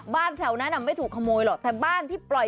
บ้านแผลวนั้นน่ะไม่ถูกขโมยหรอแต่บ้านที่ปล่อย